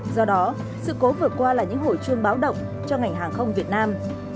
do đó sự cố vượt qua là những hồi chuông báo động cho ngành hàng không việt nam